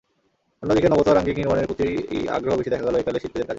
অন্যদিকে, নবতর আঙ্গিক নির্মাণের প্রতিই আগ্রহ বেশি দেখা গেল একালের শিল্পীদের কাজে।